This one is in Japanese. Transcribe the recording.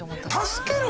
助ける？